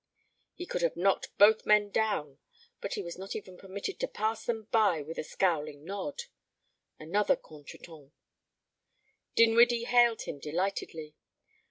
He could have knocked both men down but he was not even permitted to pass them by with a scowling nod. Another contretemps. Dinwiddie hailed him delightedly.